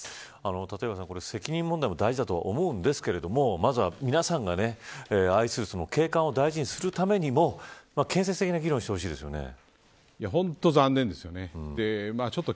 立岩さん責任問題も大事ですがまずは、皆さんが愛する景観を大事にするためにも建設的な議論をして本当に残念です。